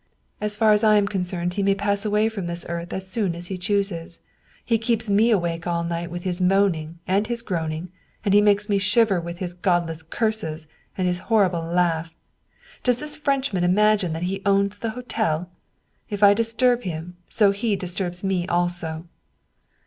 " As far as I am concerned he may pass away from this earth as soon as he chooses. He keeps me awake all night with his moaning and his groaning, and he makes me shiver with his godless curses and his horrible laugh. Does this Frenchman imagine that he owns the hotel? If I disturb him, so he disturbs me also."